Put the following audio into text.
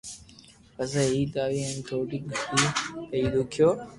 پسي عيد آوي ھين ٿوڙو گھڙو پيھئي دوکيو